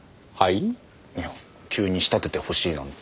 いや急に仕立ててほしいなんて。